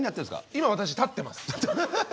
今、私、立ってます。